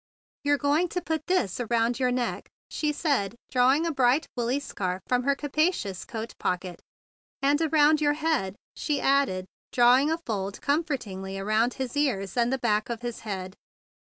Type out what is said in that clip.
"You're going to put this around * your neck," she said, drawing a bright woolly scarf from her capacious coat pocket, "and around your head," she added, drawing a fold comfortingly up around his ears and the back of his head.